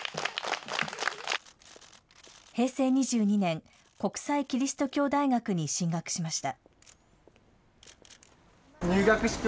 平成２２年、国際基督教大学に進学しました。